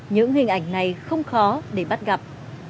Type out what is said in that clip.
những hình ảnh này không khó để bắt gặp